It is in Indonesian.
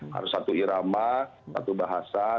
harus satu irama satu bahasa